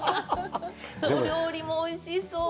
料理もおいしそう。